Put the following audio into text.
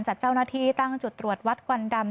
จัดเจ้าหน้าที่ตั้งจุดตรวจวัดควันดำ